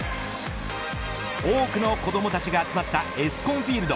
多くの子どもたちが集まったエスコンフィールド。